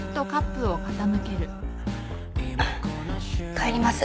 帰ります。